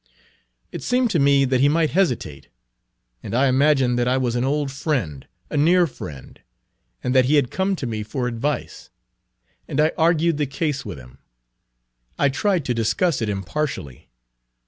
"It seemed to me that he might hesitate, and I imagined that I was an old friend, a near friend, and that he had come to me for advice; and I argued the case with him. I tried to discuss it impartially.